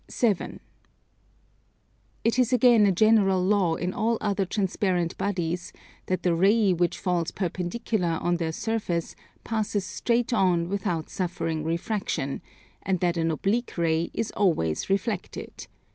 7. It is again a general law in all other transparent bodies that the ray which falls perpendicularly on their surface passes straight on without suffering refraction, and that an oblique ray is always refracted.